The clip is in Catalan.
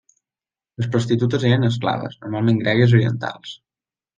Les prostitutes eren esclaves, normalment gregues i orientals.